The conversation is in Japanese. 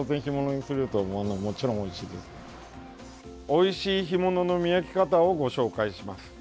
おいしい干物の見分け方をご紹介します。